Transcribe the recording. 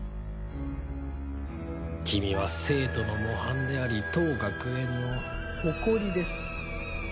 君は生徒の模範であり当学園の誇りです。